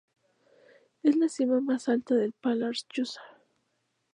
Es la cima más alta del Pallars Jussá.